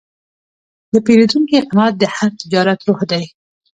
د پیرودونکي قناعت د هر تجارت روح دی.